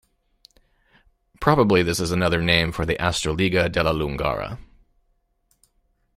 Probably this is another name for the 'astroliga della Lungara'.